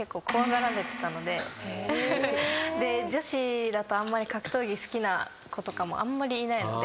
女子だと格闘技好きな子とかもあんまりいないので。